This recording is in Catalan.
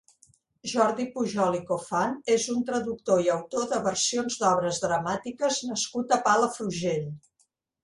Jordi Pujol i Cofan és un traductor i autor de versions d'obres dramàtiques nascut a Palafrugell.